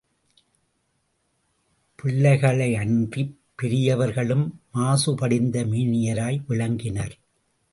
பிள்ளைகளையன்றிப் பெரியவர்களும், மாசுபடிந்த மேனியராய் விளங்கினர்.